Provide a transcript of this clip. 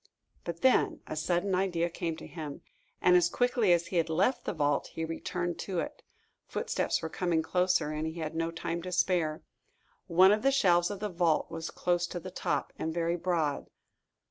But then a sudden idea came to him, and as quickly as he had left the vault, he returned to it. Footsteps were coming closer, and he had no time to spare. One of the shelves of the vault was close to the top and very broad.